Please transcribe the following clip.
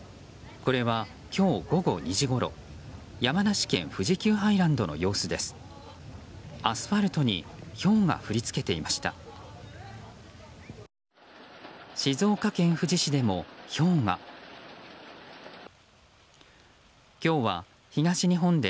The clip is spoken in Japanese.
これは今日午後２時ごろ山梨県富士急ハイランドの様子です。